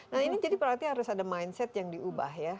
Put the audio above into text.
nah ini jadi berarti harus ada mindset yang diubah ya